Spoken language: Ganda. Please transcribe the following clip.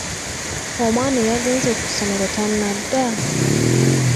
Omwana eyagenze ku ssomero tannadda?